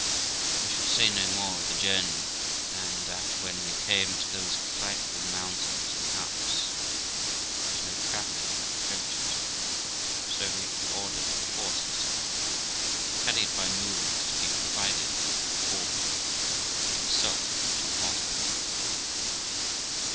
I shall say no more of the journey than that when we came to those frightful mountains, the Alps, there was no travelling in our coaches, so he ordered a horse litter, but carried by mules, to be provided for me, and himself went on horseback.